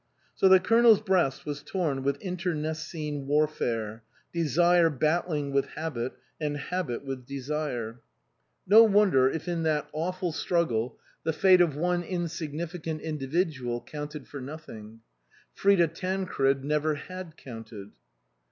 So the Colonel's breast was torn with inter necine warfare, desire battling with habit, and habit with desire. No wonder if in that awful T.S.Q. 65 F THE COSMOPOLITAN struggle the fate of one insignificant indivi dual counted for nothing. Frida Tancred never had counted.